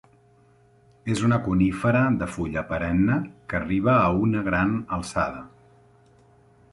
És una conífera de fulla perenne que arriba a una gran alçada.